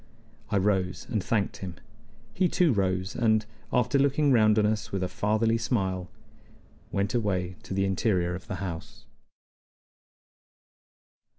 I rose and thanked him. He too rose, and, after looking round on us with a fatherly smile, went away to the interior of the house.